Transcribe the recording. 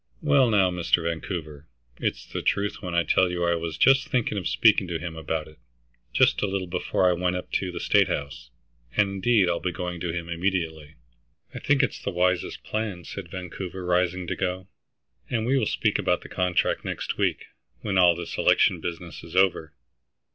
"Well, now, Mr. Vancouver, it's the truth when I tell you I was just thinking of speaking to him about it, just a little, before I went up to the State House. And indeed I'll be going to him immediately." "I think it is the wisest plan," said Vancouver, rising to go, "and we will speak about the contract next week, when all this election business is over."